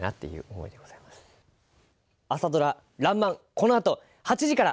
このあと８時から。